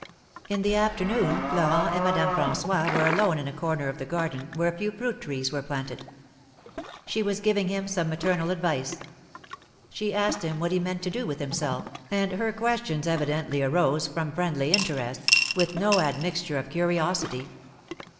In the afternoon, Florent and Madame Fran9ois were alone in a corner of the garden, where a few fruit trees were planted. She was giving him some maternal advice. She asked him what he meant to do with himself, and her questions evidently arose from friendly interest, with no admixture of curiosity.